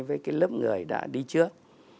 với cái lớp người đã đi trước